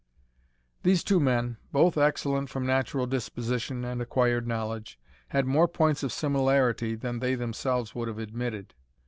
These two men, both excellent from natural disposition and acquired knowledge, had more points of similarity than they themselves would have admitted.